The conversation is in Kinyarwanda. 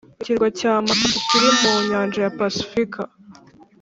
Ikirwa cya Makatea kiri mu nyanja ya Pasifika